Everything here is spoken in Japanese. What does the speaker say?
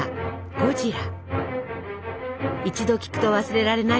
一度聞くと忘れられない